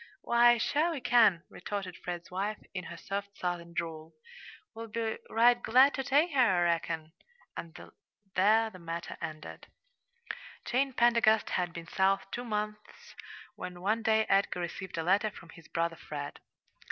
"Why, sure we can," retorted. Fred's wife, in her soft Southern drawl. "We'll be right glad to take her, I reckon." And there the matter ended. Jane Pendergast had been South two months, when one day Edgar received a letter from his brother Fred.